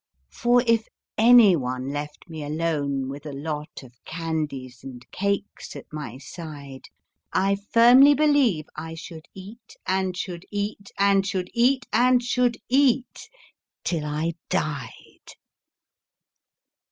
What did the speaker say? For if any one left me alone with a lot Of candies and cakes at my side, I firmly believe I should eat, and should eat, And should eat, and should eat, till I died.